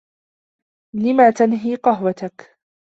لم تنهِ قهوتك.